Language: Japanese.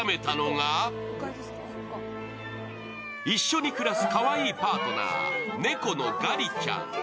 一緒に暮らすかわいいパートナー、猫のガリちゃん。